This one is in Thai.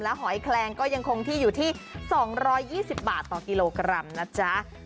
หอยแคลงก็ยังคงที่อยู่ที่๒๒๐บาทต่อกิโลกรัมนะจ๊ะ